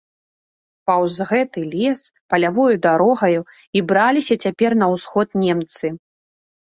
Паўз гэты лес, палявою дарогаю, і браліся цяпер на ўсход немцы.